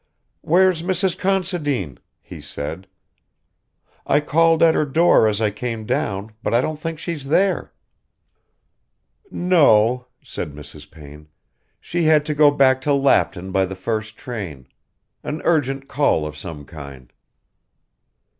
"Where's Mrs. Considine?" he said. "I called at her door as I came down, but I don't think she's there." "No," said Mrs. Payne. "She had to go back to Lapton by the first train. An urgent call of some kind."